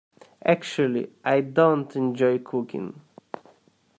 Actually, I don't enjoy cooking.